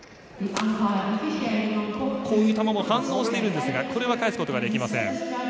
こういう球も反応してるんですがこれは返すことができません。